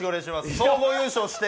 総合優勝して。